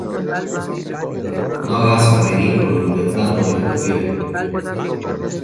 No hagas el ridículo intentando discutir